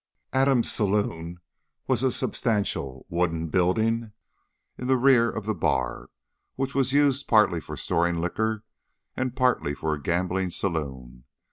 Adams' saloon was a substantial wooden building in the rear of the bar, which was used partly for storing liquor and partly for a gambling saloon.